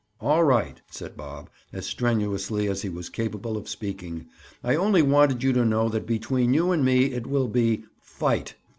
"All right," said Bob, as strenuously as he was capable of speaking. "I only wanted you to know that between you and me it will be—fight!"